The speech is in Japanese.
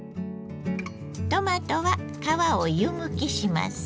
トマトは皮を湯むきします。